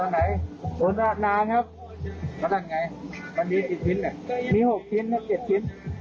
แล้วจะเป็นไงมันมีกี่พิสิทธิ์มี๖พิสิทธิ์หรือ๗พิสิทธิ์